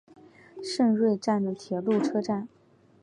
胜瑞站的铁路车站。